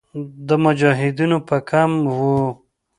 د مجاهدینو به کم وو.